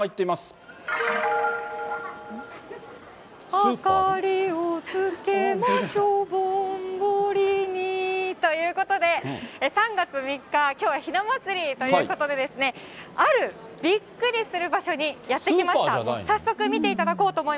明かりをつけましょぼんぼりにーということで、３月３日、きょうはひな祭りということでですね、あるびっくりする場所にやって来ました。